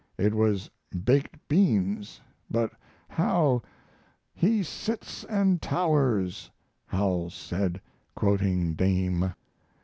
It was baked beans, but how 'he sits and towers,' Howells said, quoting Dame.